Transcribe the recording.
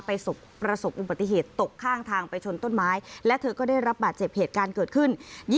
ประสบอุบัติเหตุตกข้างทางไปชนต้นไม้และเธอก็ได้รับบาดเจ็บเหตุการณ์เกิดขึ้น